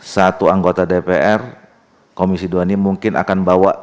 satu anggota dpr komisi dua ini mungkin akan bawa